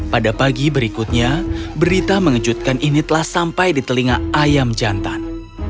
pada pagi berikutnya berita mengejutkan ini telah sampai di telinga ayam jantan